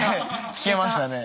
聞けましたね。